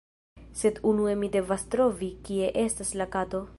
Sed unue mi devas trovi kie estas la kato